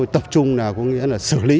tập trung là xử lý